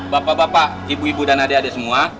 bapak bapak ibu ibu dan adik adik semua